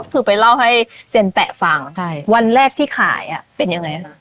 คือไปเล่าให้เซียนแปะฟังใช่วันแรกที่ขายอ่ะเป็นยังไงคะ